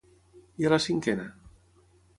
I a la cinquena?